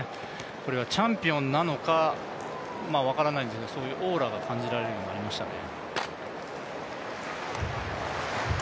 これがチャンピオンなのか分からないんですけど、そういうオーラが感じられるようになりましたね。